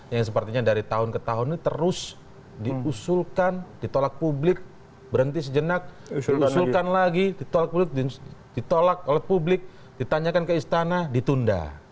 yang sepertinya dari tahun ke tahun ini terus diusulkan ditolak publik berhenti sejenak diusulkan lagi ditolak oleh publik ditanyakan ke istana ditunda